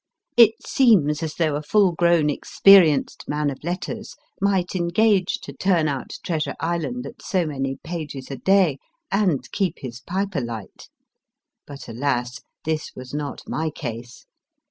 It seems as though a full grown experienced man of letters might engage to turn out Treasure Island at so many pages a day, and keep his pipe alight. But alas ! this w r as not my case.